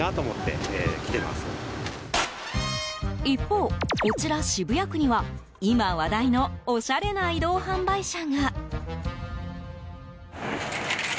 一方、こちら渋谷区には今、話題のおしゃれな移動販売車が。